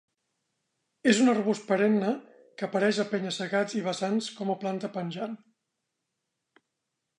És un arbust perenne que apareix a penya-segats i vessants com a planta penjant.